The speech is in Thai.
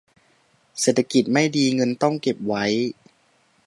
เศรษฐกิจไม่ดี เงินต้องเก็บไว้